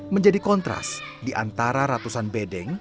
menjadi kontras diantara ratusan bedeng